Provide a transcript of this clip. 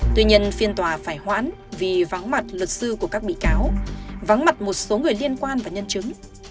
tuy nhiên phiên tòa phải hoãn vì vắng mặt luật sư của các bị cáo vắng mặt một số người liên quan và nhân chứng